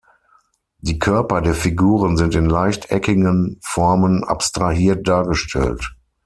Die Körper der Figuren sind in leicht eckigen Formen abstrahiert dargestellt.